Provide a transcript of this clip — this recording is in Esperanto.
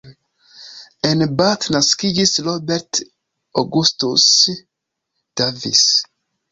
En Bath naskiĝis Robert Augustus Davis.